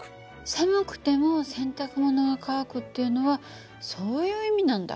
寒くても洗濯物が乾くっていうのはそういう意味なんだ。